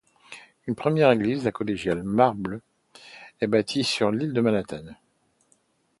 Une première église, la collégiale Marble est bâtie sur l'île de Manhattan.